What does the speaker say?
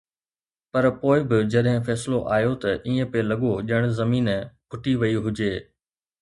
پر پوءِ به جڏهن فيصلو آيو ته ائين پئي لڳو ڄڻ زمين ڦٽي وئي هجي.